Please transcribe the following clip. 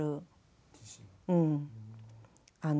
うん。